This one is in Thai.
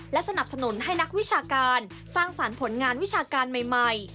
และสนับสนุนให้นักวิชาการสร้างสรรค์ผลงานวิชาการใหม่